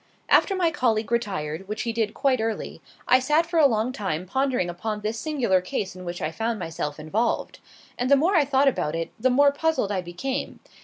After my colleague retired, which he did quite early, I sat for a long time pondering upon this singular case in which I found myself involved. And the more I thought about it the more puzzled I became.